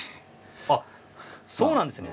あっそうなんですね。